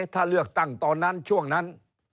ถ้าเลือกตั้งตอนนั้นช่วงนั้น